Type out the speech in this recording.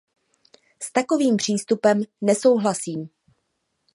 S takovým přístupem nesouhlasím.